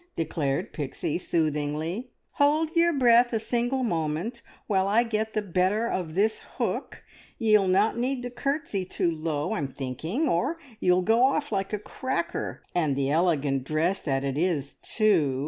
declared Pixie soothingly. "Hold yer breath a single moment while I get the better of this hook. Ye'll not need to curtsey too low, I'm thinking, or you'll go off like a cracker! And the elegant dress that it is, too!